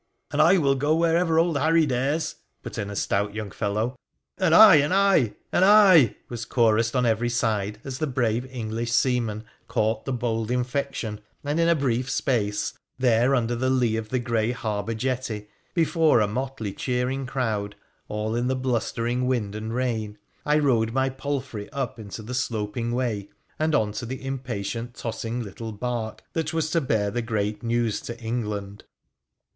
' And I will go wherever old Harry dares,' put in a stout young fellow. 'And I.' 'And I.' 'And I,' was chorused on every side, as the brave English seamen caught the bold infection, and in a brief space there, under the Ice of the grey harbour jetty, before a motley cheering crowd, all in the blustering wind and rain, I rode my palfrey up the sloping way, and on to the impatient tossing little barque that was to bear the great news to England.